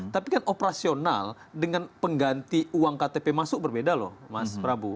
tapi kan operasional dengan pengganti uang ktp masuk berbeda loh mas prabu